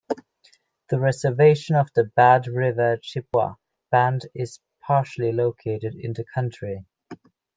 The reservation of the Bad River Chippewa Band is partially located in the county.